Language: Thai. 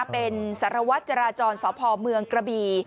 เป็นสารวัตรจราจรสพเมืองกระบี